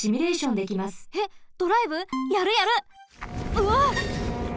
うわっ！